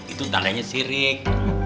itu tadanya sirik